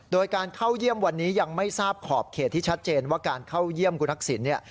โดยการเข้าเยี่ยมวันนี้ยังไม่ทราบขอบเขตที่ชัดเจนว่าการเข้าเยี่ยมคุณทักษิณเนี่ย